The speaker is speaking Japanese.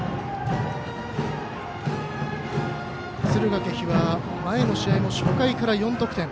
敦賀気比は前の試合も初球から４得点。